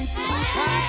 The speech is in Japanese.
はい！